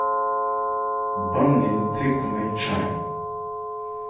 Bán-nne ńthekhunɛ́n chan ɛ ?